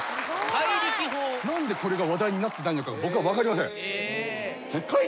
『怪力法』何でこれが話題になってないのかが僕は分かりません。